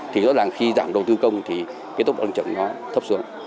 thì đó là khi giảm đầu tư công thì cái tốc tăng trưởng nó thấp xuống